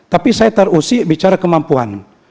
tapi saya terusik bicara kemampuan